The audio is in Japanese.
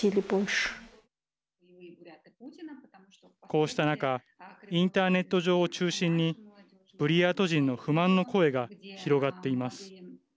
こうした中インターネット上を中心にブリヤート人の不満の声が広がっています。